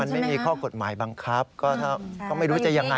ไม่มีข้อกฎหมายบังคับก็ไม่รู้จะยังไง